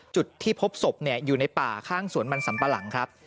จุดที่พบศพอยู่ในป่าข้างสวนมันสัมปะหลังครับ